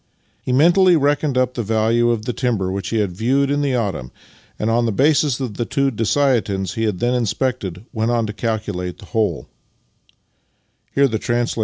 He mentally reckoned up the value of the timber which he had viewed in the autumn, and on the basis of the two dessiatins^ he had then inspected went on to calculate the whole.